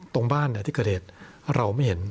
ตรงบ้านที่เกิดเหตุเราไม่เห็น